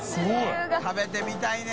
食べてみたいね。